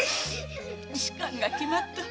仕官が決まった。